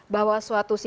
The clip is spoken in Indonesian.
bahwa suatu si